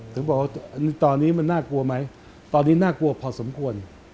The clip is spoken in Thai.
ถึงบอกว่าตอนนี้มันน่ากลัวไหมตอนนี้น่ากลัวพอสมควร